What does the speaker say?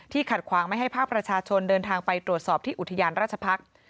ขัดขวางไม่ให้ภาคประชาชนเดินทางไปตรวจสอบที่อุทยานราชพักษ์